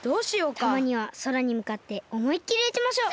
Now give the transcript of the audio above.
たまにはそらにむかっておもいっきりうちましょう。